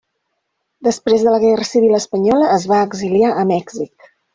Després de la Guerra Civil espanyola es va exiliar a Mèxic.